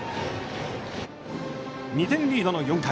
２点リードの４回。